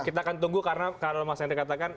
kita akan tunggu karena kalau mas henry katakan